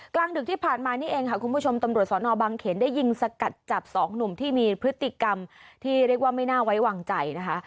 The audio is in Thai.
กลางดึกที่ผ่านมานี่เองค่ะคุณผู้ชมตำรวจสอนอบังเขนได้ยิงสกัดจับสองหนุ่มที่มีพฤติกรรมที่เรียกว่าไม่น่าไว้วางใจนะคะ